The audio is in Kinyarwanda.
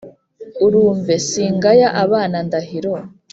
urumve, singaya abana ndahiro